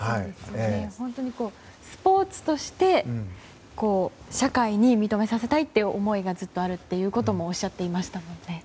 本当にスポーツとして社会に認めさせたいという思いがずっとあるということもおっしゃっていましたよね。